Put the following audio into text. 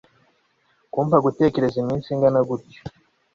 kumpa gutegereza iminsi ingana gutyo